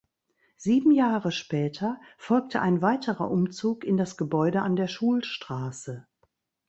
Sieben Jahre später folgte ein weiterer Umzug in das Gebäude an der Schulstraße.